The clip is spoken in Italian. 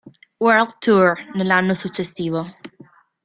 World Tour" nell'anno successivo.